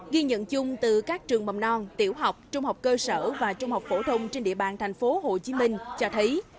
ghi nhận chung từ các trường mầm non tiểu học trung học cơ sở và trung học phổ thông trên địa bàn tp hcm cho thấy